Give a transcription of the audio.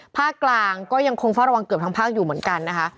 ภาคกลางก็ยังคงเฝ้าระวังเกือบทั้งภาคอยู่เหมือนกันนะคะ